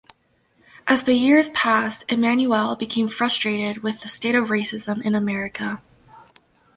As the years passed Emanuel became frustrated with the state of racism in America.